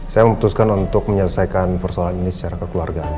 saya memutuskan untuk menyelesaikan persoalan ini secara kekeluargaan